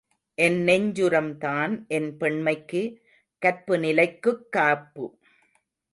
என் நெஞ்சுரம்தான் என் பெண்மைக்கு–கற்பு நிலைக்குக் காப்பு.